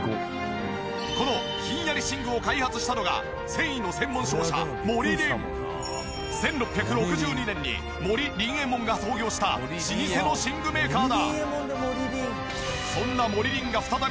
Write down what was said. このひんやり寝具を開発したのが１６６２年に森林右衛門が創業した老舗の寝具メーカーだ。